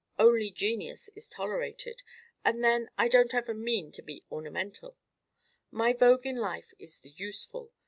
Only genius is tolerated; and then I don't ever mean to be ornamental. My vogue in life is the useful.